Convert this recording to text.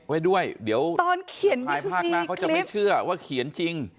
ไว้ด้วยเดี๋ยวตอนเขียนชายภาคหน้าเขาจะไม่เชื่อว่าเขียนจริง